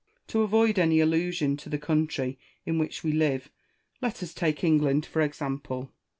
To avoid any allusion to the country in which we live, let us take England for example.